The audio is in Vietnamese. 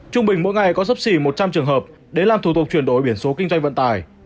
trung bình mỗi ngày có sấp xỉ một trăm linh trường hợp để làm thủ tục chuyển đổi biển số kinh doanh vận tài